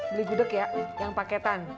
beli gudeg ya yang paketan